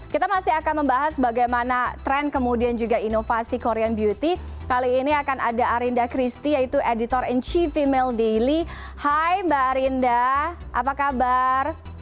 kita masih akan membahas bagaimana tren kemudian juga inovasi korean beauty kali ini akan ada arinda christie yaitu editor in chie female daily hai mbak arinda apa kabar